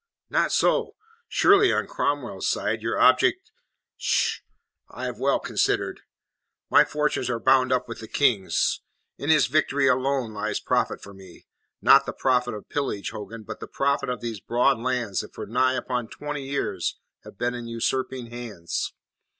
"Not so! Surely on Cromwell's side your object " "T'sh! I have well considered. My fortunes are bound up with the King's. In his victory alone lies profit for me; not the profit of pillage, Hogan, but the profit of those broad lands that for nigh upon twenty years have been in usurping hands.